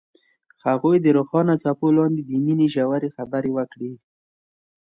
هغوی د روښانه څپو لاندې د مینې ژورې خبرې وکړې.